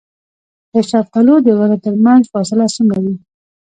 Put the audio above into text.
د شفتالو د ونو ترمنځ فاصله څومره وي؟